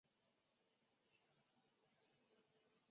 理事会因为措辞模糊而拒绝。